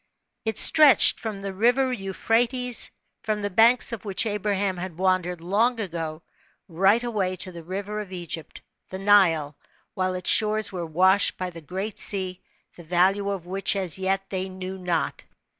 It stretched from the rive^ Euphrates, from the banks of which Abraham had wandered long ago, right away to the river of Egypt, the Nile, while its shores were washed by the Great Sea, the value of which, as yet, they knew not.